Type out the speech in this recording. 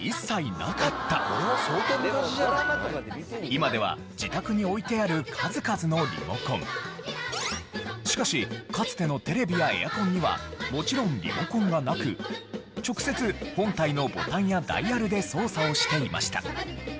今では自宅に置いてあるしかしかつてのテレビやエアコンにはもちろんリモコンがなく直接本体のボタンやダイヤルで操作をしていました。